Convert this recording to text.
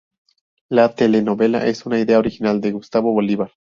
La telenovela es una idea original de Gustavo Bolívar.